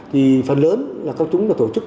thì phần lớn là các chúng đã tổ chức